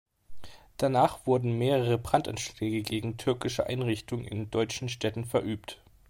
Danach wurden mehrere Brandanschläge gegen türkische Einrichtungen in deutschen Städten verübt.